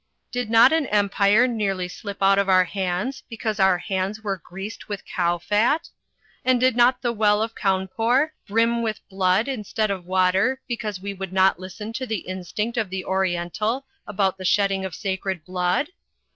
Did not an Empire nearly slip out of our hands because our hands were greased with cow fat? And did not the well of Cawnpore brim with Digitized by CjOOQ IC VEGETARIANISM 131 blood instead of water because we would not listen to the instinct of the Oriental about the shedding of sacred blood?